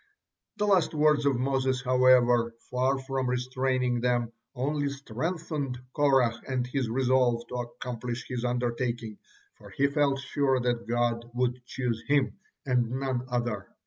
These last words of Moses, however, far from restraining them, only strengthened Korah in his resolve to accomplish his undertaking, for he felt sure that God would choose him, and none other.